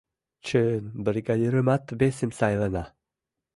— Чын, бригадирымат весым сайлена!